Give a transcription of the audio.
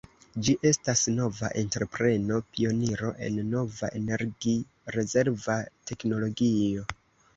Ĝi estas nova entrepreno, pioniro en nova energi-rezerva teknologio.